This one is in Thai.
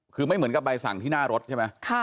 คือไม่เหมือนกับใบสั่งที่หน้ารถใช่ไหม